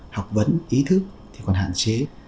học vấn ý thức thì còn hạn chế